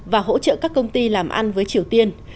và hỗ trợ các công ty làm ăn với triều tiên